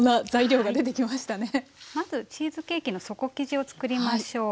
まずチーズケーキの底生地を作りましょう。